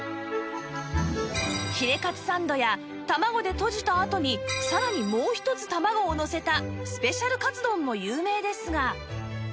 ヒレカツサンドや卵でとじたあとにさらにもう一つ卵をのせたスペシャルカツ丼も有名ですが